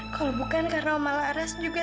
kalau bukan karena om alaras juga